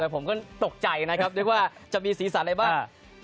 ผมก็ตกใจนะครับนึกว่าจะมีสีสันอะไรบ้าง